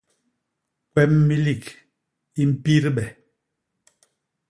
Kwem milik i mpidbe.